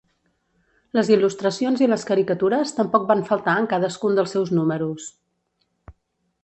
Les il·lustracions i les caricatures tampoc van faltar en cadascun dels seus números.